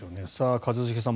一茂さん